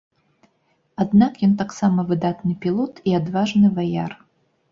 Аднак ён таксама выдатны пілот і адважны ваяр.